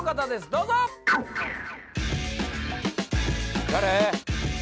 どうぞ誰？